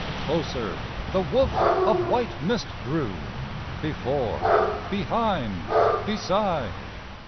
Closer the woof of white mist drew, Before, behind, beside.